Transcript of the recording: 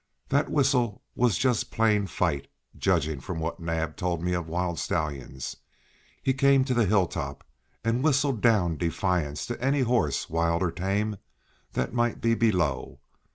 That whistle was just plain fight, judging from what Naab told me of wild stallions. He came to the hilltop, and whistled down defiance to any horse, wild or tame, that might be below.